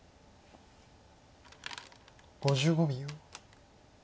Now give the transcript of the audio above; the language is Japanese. ５５秒。